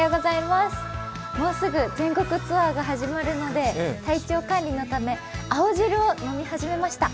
もうすぐ全国ツアーが始まるので、体調管理のため、青汁を飲み始めました。